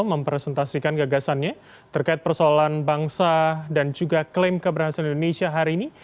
mempresentasikan gagasannya terkait persoalan bangsa dan juga klaim keberhasilan indonesia hari ini